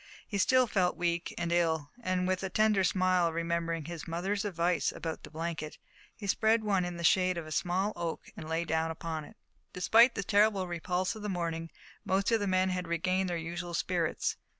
He still felt weak, and ill, and, with a tender smile, remembering his mother's advice about the blanket, he spread one in the shade of a small oak and lay down upon it. Despite the terrible repulse of the morning most of the men had regained their usual spirits.